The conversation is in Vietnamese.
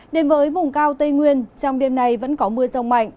đến với vùng cao tây nguyên trong đêm nay vẫn có mưa rông mạnh